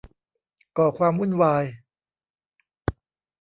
ก่อความวุ่นวาย